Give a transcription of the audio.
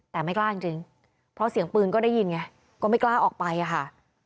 แต่ไม่กล้าจริงเพราะเสียงปืนก็ได้ยินไงก็ไม่กล้าออกไปอะค่ะ